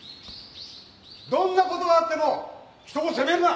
どんなことがあっても人を責めるな。